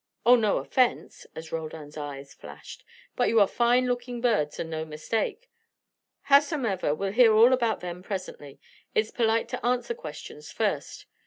Oh, no offence," as Roldan's eyes flashed. "But you are fine looking birds, and no mistake. Howsomever, we'll hear all about them presently. It's polite to answer questions first.